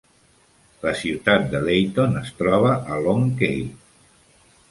La ciutat de Layton es troba a Long Key.